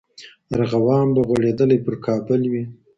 ارغوان به غوړېدلی پر کابل وي